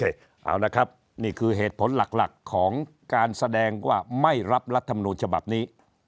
เอาละครับนี่คือเหตุผลหลักของการแสดงว่าไม่รับรัฐมนูญฉบับนี้